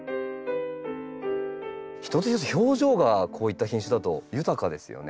一つ一つ表情がこういった品種だと豊かですよね。